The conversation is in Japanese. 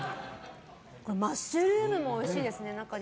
マッシュルームもおいしいですね。